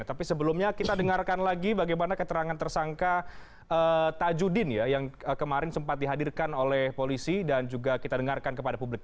tapi sebelumnya kita dengarkan lagi bagaimana keterangan tersangka tajudin yang kemarin sempat dihadirkan oleh polisi dan juga kita dengarkan kepada publik